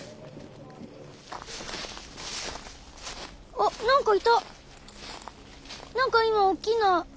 あっなんか今おっきな。